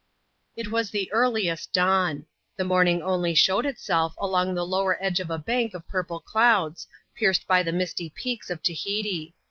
It was the earliest dawn. The morning only showed itself along the lower edge of a bank of purple clouds, pierced by the misty peaks of Tahiti.